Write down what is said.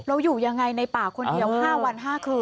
แล้วอยู่อย่างไรในป่าคนเดียว๕วัน๕คืน